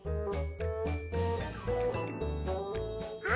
あ！